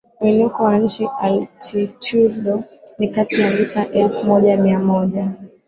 Mwinuko wa nchi altitudo ni kati ya mita elfu moja mia moja